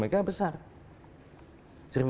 seribu megawatt besar